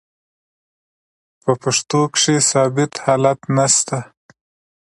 په پښتو کښي ثابت حالت نسته.